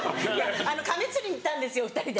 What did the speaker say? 亀釣りに行ったんですよ２人で。